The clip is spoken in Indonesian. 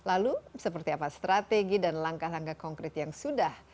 lalu seperti apa strategi dan langkah langkah konkret yang sudah